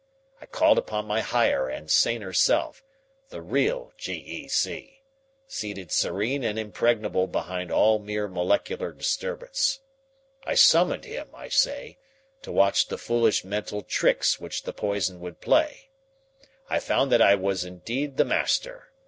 I called upon my higher and saner self, the real G. E. C., seated serene and impregnable behind all mere molecular disturbance. I summoned him, I say, to watch the foolish mental tricks which the poison would play. I found that I was indeed the master.